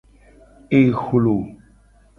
Ehlo.